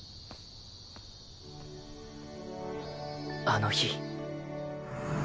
あの日